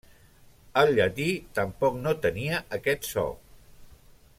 El llatí tampoc no tenia aquest so.